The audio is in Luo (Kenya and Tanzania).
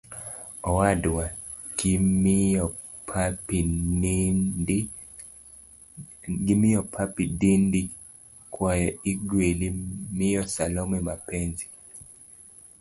Owadwa.gi miyo Papi Dindi kwayo igweli miyo Salome Mapenzi